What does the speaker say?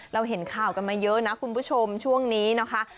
เราเห็นข่าวกันมาเยอะนะคุณผู้ชมช่วงนี้นะคะ